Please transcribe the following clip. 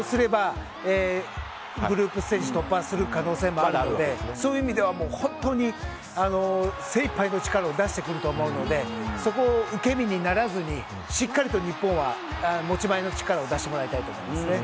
グループステージ突破する可能性もあるのでそういう意味では本当に精いっぱいの力を出してくると思うのでそこを受け身にならずにしっかりと日本は持ち前の力を出してもらいたいと思いますね。